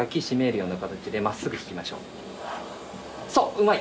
うまい。